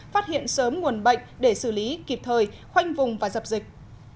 phát hiện sớm nguồn bệnh để xử lý kịp thời khoanh vùng và dập dịch